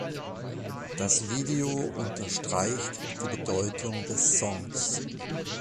Das Video unterstreicht die Bedeutung des Songs.